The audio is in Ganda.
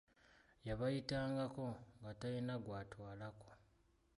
Yabayitanganko nga talina gw'atwalako.